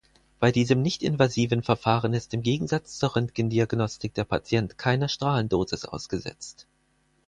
Bei diesem nicht-invasiven Verfahren ist im Gegensatz zur Röntgendiagnostik der Patient keiner Strahlendosis ausgesetzt.